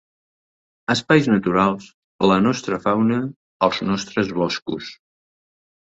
Espais naturals, la nostra fauna, els nostres boscos.